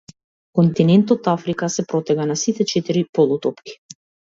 Континентот Африка се протега на сите четири полутопки.